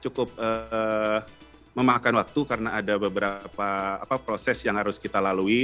ya sudah sedang berjalan waktu karena ada beberapa proses yang harus kita lalui